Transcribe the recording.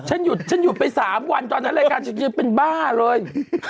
หยุดฉันหยุดไป๓วันตอนนั้นรายการฉันยืนเป็นบ้าเลย